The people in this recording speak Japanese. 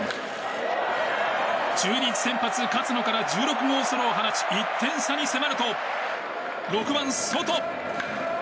中日先発、勝野から１６号ソロを放ち１点差に迫ると６番、ソト。